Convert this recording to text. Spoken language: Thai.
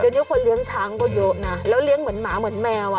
เดี๋ยวนี้คนเลี้ยงช้างก็เยอะนะแล้วเลี้ยงเหมือนหมาเหมือนแมวอ่ะ